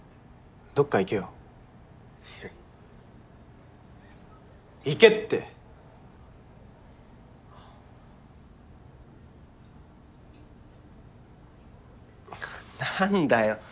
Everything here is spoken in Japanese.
どっか行けよいや行けって！何だよ